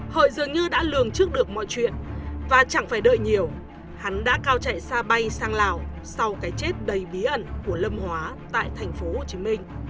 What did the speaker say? hợi dường như đã lường trước được mọi chuyện và chẳng phải đợi nhiều hắn đã cao chạy xa bay sang lào sau cái chết đầy bí ẩn của lâm hóa tại tp hcm